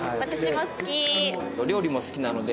料理も好きなので。